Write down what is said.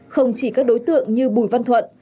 không chỉ các đối tượng như bùi văn thuận